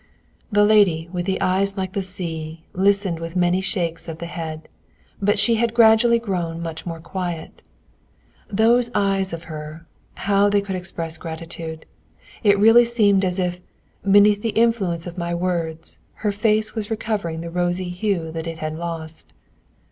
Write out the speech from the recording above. The lady with the eyes like the sea listened with many shakes of the head, but she had gradually grown much more quiet. Those eyes of hers, how they could express gratitude! It really seemed as if, beneath the influence of my words, her face was recovering the rosy hue that it had lost.